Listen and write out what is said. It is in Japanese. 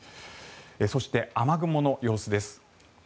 そして、雨雲の様子です。